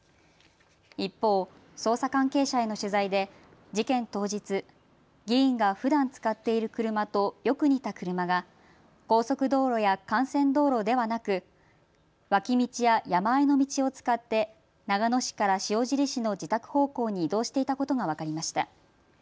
一方、捜査関係者への取材で事件当日、議員がふだん使っている車とよく似た車が高速道路や幹線道路ではなく脇道や山あいの道を使って長野市から塩尻市の自宅方向に移動していたことが分かりました。